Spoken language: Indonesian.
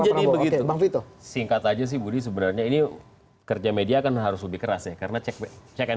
jadi begitu singkat aja sih budi sebenarnya ini kerja media akan harus lebih keras ya karena check